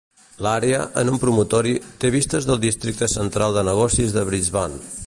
L'àrea, en un promontori, té vistes del Districte Central de Negocis de Brisbane.